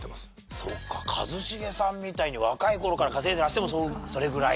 そうか一茂さんみたいに若い頃から稼いでいらしてもそれぐらいか。